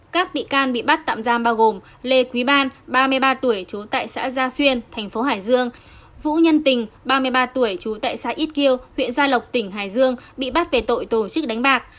các bị can bị bắt tạm giam bao gồm lê quý ban ba mươi ba tuổi trú tại xã gia xuyên thành phố hải dương vũ nhân tình ba mươi ba tuổi trú tại xã ít kiêu huyện gia lộc tỉnh hải dương bị bắt về tội tổ chức đánh bạc